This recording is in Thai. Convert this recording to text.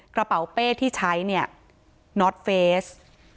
กระเป๋าเป้ที่ใช้เนี่ยน็อตเฟส